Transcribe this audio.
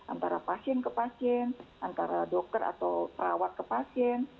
antara pasien ke pasien antara dokter atau perawat ke pasien